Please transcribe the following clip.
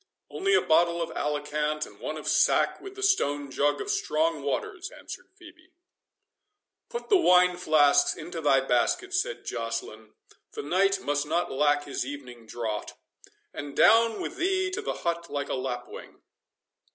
"Only a bottle of Alicant, and one of sack, with the stone jug of strong waters," answered Phœbe. "Put the wine flasks into thy basket," said Joceline, "the knight must not lack his evening draught—and down with thee to the hut like a lapwing.